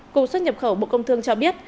cùng xuất nhập khẩu bộ công thương cho biết